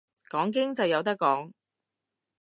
講經就有得講